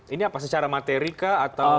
ini apa secara materika atau